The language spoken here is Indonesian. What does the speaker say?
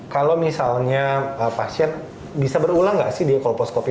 kalau misalnya pasien bisa berulang nggak sih dia kolposcopy